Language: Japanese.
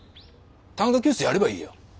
短歌教室やればいいよ。